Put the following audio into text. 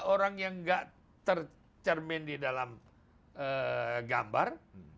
orang yang nggak tercermin di dalam gambar